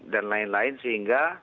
dan lain lain sehingga